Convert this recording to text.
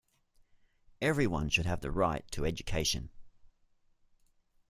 Everyone should have the right to education.